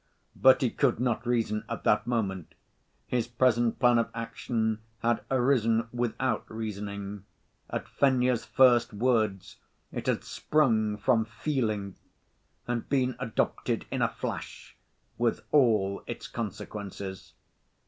But he could not reason at that moment. His present plan of action had arisen without reasoning. At Fenya's first words, it had sprung from feeling, and been adopted in a flash, with all its consequences.